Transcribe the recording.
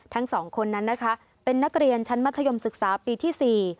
ทั้งสองคนนั้นนะคะเป็นนักเรียนชั้นมัธยมศึกษาปีที่๔